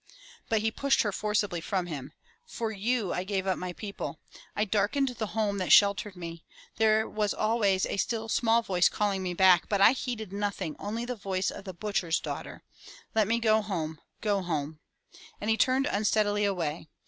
But he pushed her forcibly from him. "For you I gave up my people. I darkened the home that sheltered me. There was always a still small voice calling me back, but I heeded nothing only the voice of the butcher's daughter. Let me go home — go home." And he turned unsteadily away.